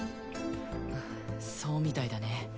そうみたいだね。